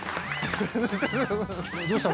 どうした？